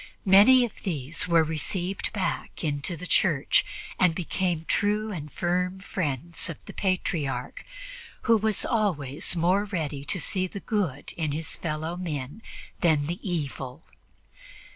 Many of these were received back into the Church and became true and firm friends of the Patriarch, who was always more ready to see the good in his fellowmen than the evil.